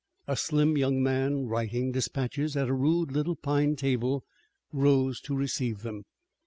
A slim young man, writing dispatches at a rude little pine table, rose to receive them.